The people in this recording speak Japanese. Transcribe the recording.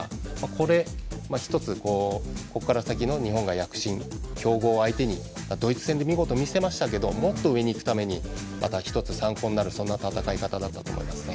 これ、１つここから先日本が躍進、強豪相手にドイツ戦で見事見せましたがもっと上に行くためにまた１つ参考になる戦い方だったと思います。